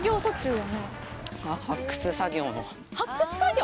発掘作業？